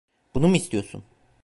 Bunu mu istiyorsun?